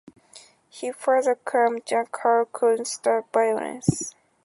His father claimed Jan-Carl couldn't stand violence.